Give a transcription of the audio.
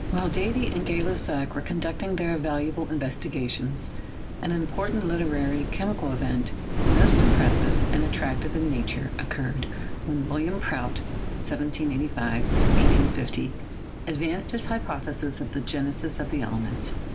While Davy and Gay Lussac were conducting their val uable investigations, an important literary chemical event, most impressive and attractive in nature, occurred when William Prout (1785 1850) advanced his hypothesis of the genesis of the elements.